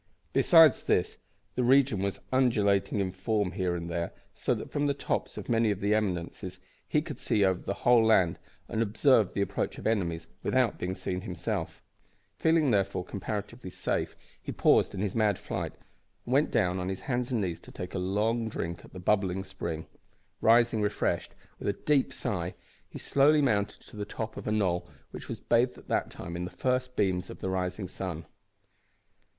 Besides this, the region was undulating in form, here and there, so that from the tops of many of the eminences, he could see over the whole land, and observe the approach of enemies without being himself seen. Feeling, therefore, comparatively safe, he paused in his mad flight, and went down on hands and knees to take a long drink at a bubbling spring. Rising, refreshed, with a deep sigh, he slowly mounted to the top of a knoll which was bathed at the time in the first beams of the rising sun.